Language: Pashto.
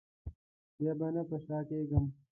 بیا به نه په شا کېږم.